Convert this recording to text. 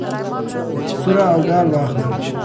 توره او ډال واخله.